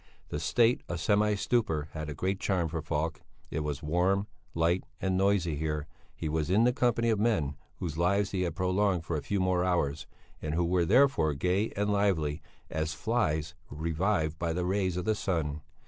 This state of semi stupor had a great charm for Falk; it was warm, light, and noisy here; he was in the company of men whose lives he had prolonged for a few more hours and who were therefore gay and lively, as flies revived by the rays of the sun.